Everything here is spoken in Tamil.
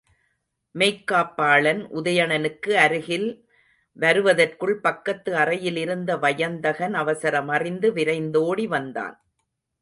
மெய்க்காப்பாளன், உதயணனுக்கு அருகில் வருவதற்குள் பக்கத்து அறையில் இருந்த வயந்தகன் அவசரமறிந்து விரைந்தோடி வந்தான்.